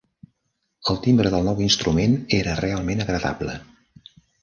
El timbre del nou instrument era realment agradable.